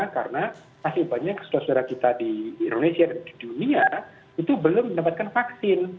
karena masih banyak saudara saudara kita di indonesia dan di dunia itu belum mendapatkan vaksin